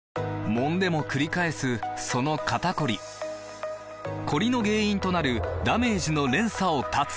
もんでもくり返すその肩こりコリの原因となるダメージの連鎖を断つ！